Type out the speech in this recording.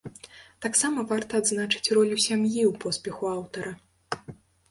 Таксама варта адзначыць ролю сям'і ў поспеху аўтара.